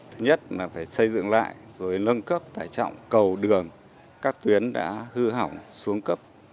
thứ nhất là phải xây dựng lại rồi nâng cấp tải trọng cầu đường các tuyến đã hư hỏng xuống cấp